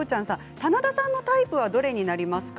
棚田さんのタイプはどれになりますか？